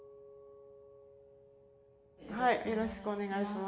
よろしくお願いします。